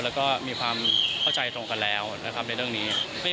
แล้วก็มีความเข้าใจตรงกันแล้วนะครับในเรื่องนี้